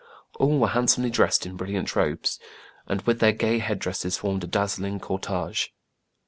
All were handsomely dressed in brilliant robes, and with their gay head dresses formed a dazzling cor tege.